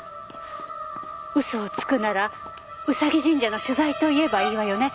嘘をつくならうさぎ神社の取材と言えばいいわよね？